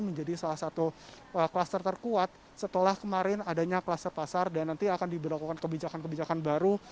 menjadi salah satu kluster terkuat setelah kemarin adanya kluster pasar dan nanti akan diberlakukan kebijakan kebijakan baru